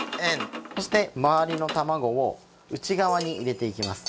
そしてまわりの卵を内側に入れていきます